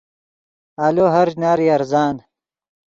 آلو ہر اشنارے ارزان